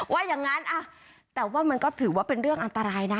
ว่าอย่างนั้นแต่ว่ามันก็ถือว่าเป็นเรื่องอันตรายนะ